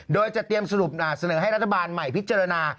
โดยจะเตรียมเสนอให้รัฐบาลใหม่พิจารณา